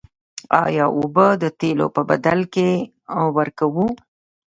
آیا اوبه د تیلو په بدل کې ورکوو؟